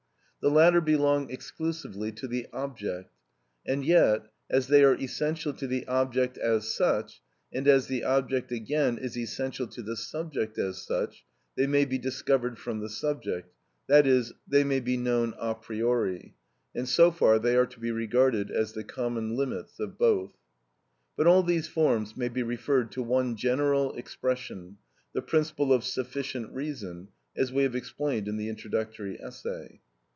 The latter belong exclusively to the object, and yet, as they are essential to the object as such, and as the object again is essential to the subject as such, they may be discovered from the subject, i.e., they may be known a priori, and so far they are to be regarded as the common limits of both. But all these forms may be referred to one general expression, the principle of sufficient reason, as we have explained in the introductory essay.